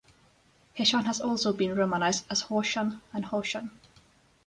Heshan has also been romanized as Ho Shan and Ho-shan.